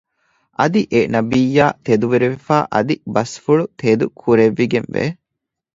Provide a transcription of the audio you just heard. އަދި އެ ނަބިއްޔާ ތެދުވެރިވެފައި އަދި ބަސްފުޅު ތެދު ކުރެވިގެންވޭ